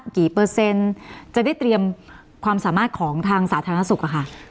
เปอร์เซ็นต์จะได้เตรียมความสามารถของทางสาธารณสุขอะค่ะ